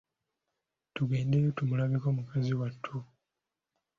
Tugendeyo tumulabeko mukazi wattu.